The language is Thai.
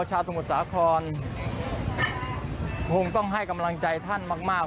สมุทรสาครคงต้องให้กำลังใจท่านมาก